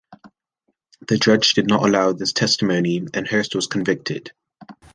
The judge did not allow this testimony, and Hearst was convicted.